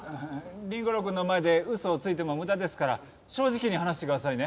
凛吾郎くんの前でウソをついても無駄ですから正直に話してくださいね。